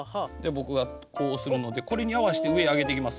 僕がこうするのでこれに合わせて上へ上げていきます。